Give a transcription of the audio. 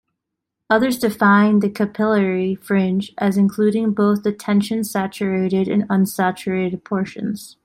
Others define the capillary fringe as including both the tension-saturated and unsaturated portions.